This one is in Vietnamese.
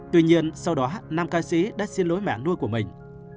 tuy nhiên sau đó nam ca sĩ đã xin lỗi mẹ nuôi của mình